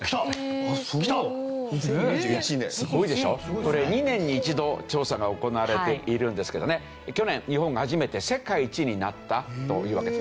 これ２年に一度調査が行われているんですけどね去年日本が初めて世界１位になったというわけです。